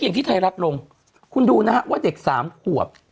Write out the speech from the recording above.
อย่างที่ไทยรัฐลงคุณดูนะฮะว่าเด็กสามขวบ